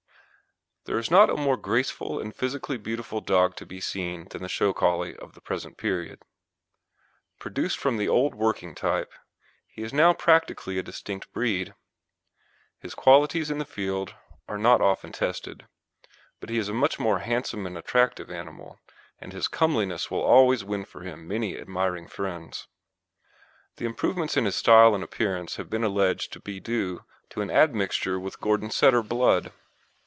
There is not a more graceful and physically beautiful dog to be seen than the show Collie of the present period. Produced from the old working type, he is now practically a distinct breed. His qualities in the field are not often tested, but he is a much more handsome and attractive animal, and his comeliness will always win for him many admiring friends. The improvements in his style and appearance have been alleged to be due to an admixture with Gordon Setter blood.